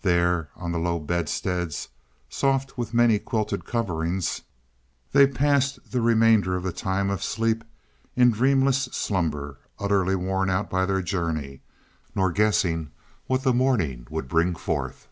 There, on the low bedsteads, soft with many quilted coverings, they passed the remainder of the time of sleep in dreamless slumber, utterly worn out by their journey, nor guessing what the morning would bring forth.